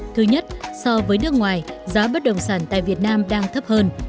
thứ nhất so với nước ngoài giá bất động sản tại việt nam đang thấp hơn